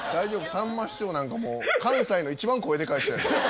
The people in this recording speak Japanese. さんま師匠なんかもう関西の一番声でかい人やで。